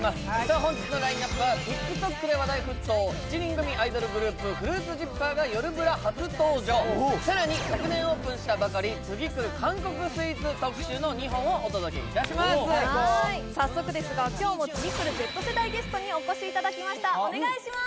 本日のラインナップはＴｉｋＴｏｋで話題沸騰７人組アイドルグループＦＲＵＩＴＳＺＩＰＰＥＲが「よるブラ」初登場さらに昨年オープンしたばかり次くる韓国スイーツ特集の２本をお届けいたします早速ですが今日も次くるＺ世代ゲストにお越しいただきましたお願いします